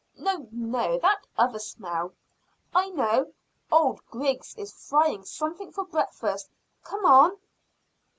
"No, no; that other smell. I know! old Griggs is frying something for breakfast. Come on."